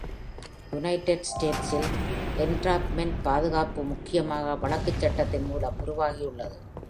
United ஸ்டேட்ஸில் entrapment பாதுகாப்பு முக்கியமாக வழக்குச் சட்டத்தின் மூலம் உருவாகியுள்ளது.